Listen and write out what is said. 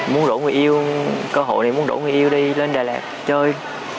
muốn đổ người yêu cơ hội thì muốn đổ người yêu đi lên đà lạt chơi